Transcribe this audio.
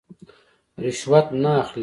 رشوت نه اخلي.